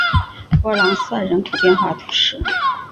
弗朗赛人口变化图示